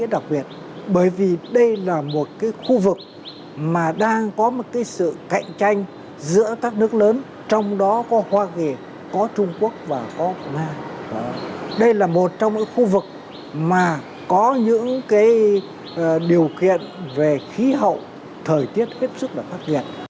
đây là một trong những khu vực mà có những điều kiện về khí hậu thời tiết hiếp sức và phát triển